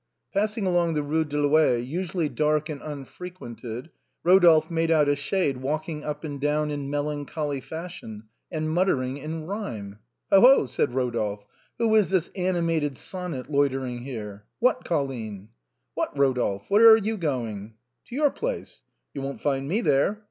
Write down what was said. Passing along the Eue de l'Ouest, usually dark and unfre quented, Eodolphe made out a shade walking up and down in melancholy fashion, and muttering in rhyme. " Ho, ho !" said Eodolphe, " who is this animated sonnet loitering here ? What, Colline !" "What, Eodolphe! Where are you going?" " To your place." " You won't find m.e there."